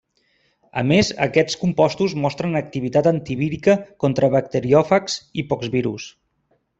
A més aquests compostos mostren activitat antivírica contra bacteriòfags i poxvirus.